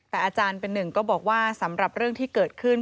แต่อาจารย์เป็นหนึ่งก็บอกว่าสำหรับเรื่องที่เกิดขึ้น